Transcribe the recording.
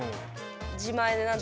自前で何とか。